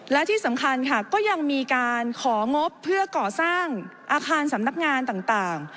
และที่สำคัญค่ะก็ยังมีการของงบเพื่อก่อสร้างอาคารสำนักงานต่าง